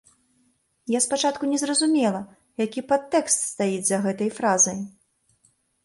Я спачатку не зразумела, які падтэкст стаіць за гэтай фразай.